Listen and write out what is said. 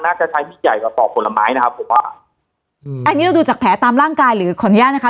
ใช้มีดใหญ่กว่าปอกผลไม้นะครับผมว่าอืมอันนี้เราดูจากแผลตามร่างกายหรือขออนุญาตนะคะ